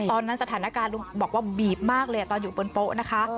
ตอนนั้นสถานการณ์ลุงบอกว่าบีบมากเลยตอนอยู่บนโป๊ะนะคะ